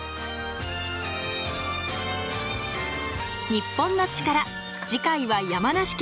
『日本のチカラ』次回は山梨県。